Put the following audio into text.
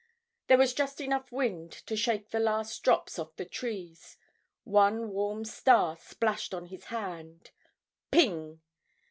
There was just enough wind to shake the last drops off the trees; one warm star splashed on his hand. Ping!